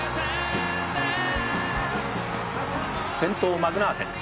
「先頭マグナーテン。